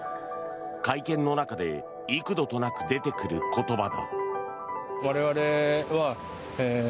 会見の中で幾度となく出てくる言葉だ。